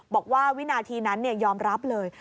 วินาทีนั้นยอมรับเลย